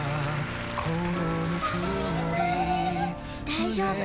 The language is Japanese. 大丈夫。